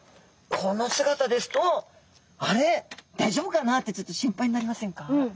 この姿ですと「あれだいじょうぶかな？」ってちょっと心配になりませんか？